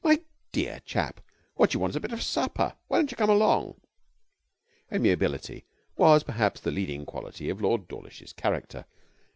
My dear chap, what you want is a bit of supper. Why don't you come along?' Amiability was, perhaps, the leading quality of Lord Dawlish's character.